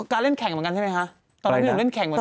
การเล่นแข่งเหมือนกันใช่ไหมคะ